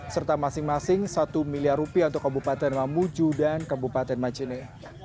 serta masing masing satu miliar rupiah untuk kabupaten mamuju dan kabupaten majene